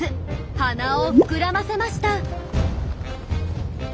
鼻を膨らませました。